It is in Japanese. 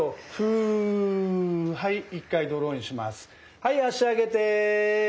はい脚上げて。